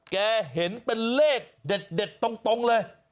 แกเห็นเป็นเลขเด็ดตรงเลย